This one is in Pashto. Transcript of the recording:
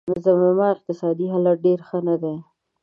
زما اقتصادي حالت ډېر ښه نه دی